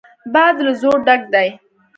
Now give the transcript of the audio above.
باد له زور ډک دی.